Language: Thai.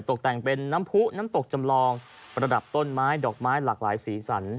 ตกแต่งเป็นน้ำผู้น้ำตกจำลองประดับต้นไม้ดอกไม้หลากหลายสีสัน